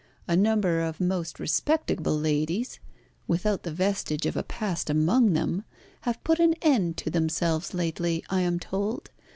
A number of most respectable ladies, without the vestige of a past among them, have put an end to themselves lately, I am told.